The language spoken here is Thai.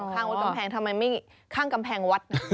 ข้างวัดกำแพงทำไมไม่ข้างกำแพงวัดนะ